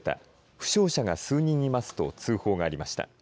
負傷者が数人いますと通報がありました。